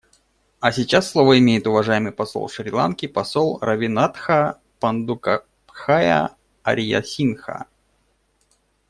А сейчас слово имеет уважаемый посол Шри-Ланки — посол Равинатха Пандукабхая Ариясинха.